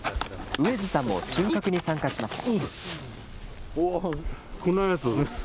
上江洲さんも収穫に参加しました。